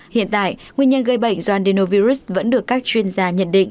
hiện tại nguyên nhân gây bệnh do andinovirus vẫn được các chuyên gia nhận định